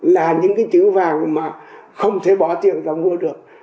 là những cái chữ vàng mà không thể bỏ tiền ra mua được